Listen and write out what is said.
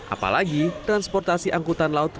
apalagi transportasi angkutan lautnya